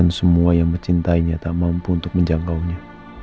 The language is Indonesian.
namun semua yang mencintainya tak mampu untuk menjangkaunya